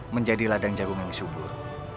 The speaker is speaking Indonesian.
menjadi ladang jagung yang subur